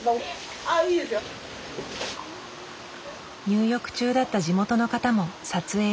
入浴中だった地元の方も撮影ＯＫ。